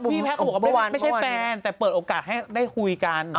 แพทย์ก็บอกว่าไม่ใช่แฟนแต่เปิดโอกาสให้ได้คุยกัน